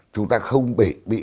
chúng ta không bị